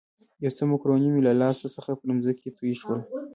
یو څه مکروني مې له لاس څخه پر مځکه توی شول.